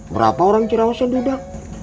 berapa orang curah nggak usah duduk